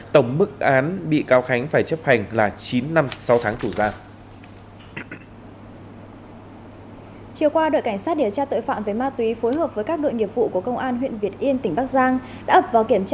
tổng mức án bị cáo khánh phải chấp hành là chín năm sáu tháng tù giam